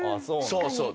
そうそう。